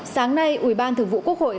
sáng nay ủy ban thực vụ quốc hội